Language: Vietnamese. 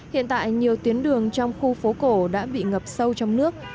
hiện tại nhiều tuyến đường trong khu phố cổ đã bị ngập sâu trong nước